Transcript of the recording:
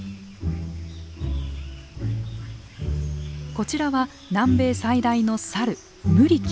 こちらは南米最大のサルムリキ。